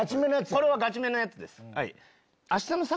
これはガチめのやつです。